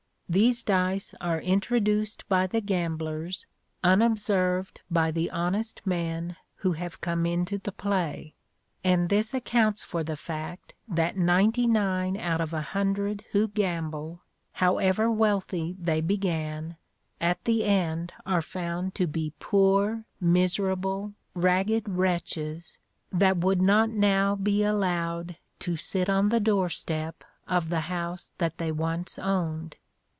These dice are introduced by the gamblers unobserved by the honest men who have come into the play; and this accounts for the fact that ninety nine out of a hundred who gamble, however wealthy they began, at the end are found to be poor, miserable, ragged wretches, that would not now be allowed to sit on the door step of the house that they once owned.